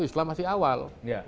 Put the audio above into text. islam masih awal